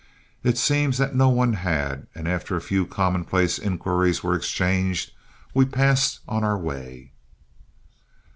It seems that no one had, and after a few commonplace inquiries were exchanged, we passed on our way.